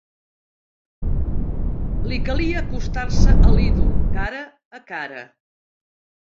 Li calia acostar-se a l'ídol, cara a cara